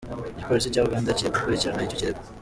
Igipolisi cya Uganda kiri gukurikirana icyo kirego.